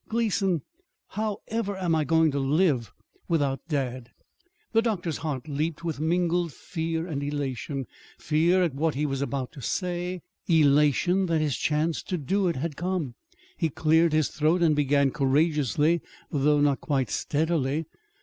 Gleason how ever am I going to live without dad!" The doctor's heart leaped with mingled fear and elation: fear at what he was about to do; elation that his chance to do it had come. He cleared his throat and began, courageously, though not quite steadily.